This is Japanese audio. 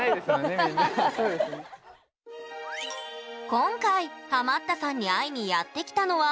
今回ハマったさんに会いにやって来たのは大阪。